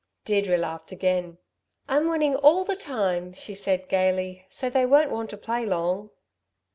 Deirdre laughed again. "I'm winning all the time," she said gaily, "so they won't want to play long."